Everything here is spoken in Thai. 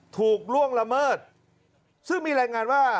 ล่วงละเมิดซึ่งมีรายงานว่า